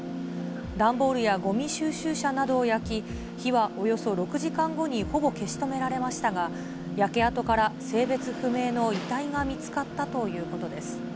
段ボールやごみ収集車などを焼き、火はおよそ６時間後にほぼ消し止められましたが、焼け跡から性別不明の遺体が見つかったということです。